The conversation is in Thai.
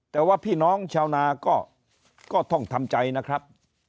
แต่ว่าพี่น้องชาวนาก็ต้องทำใจนะครับ